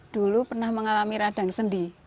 dulu pernah mengalami radang sendi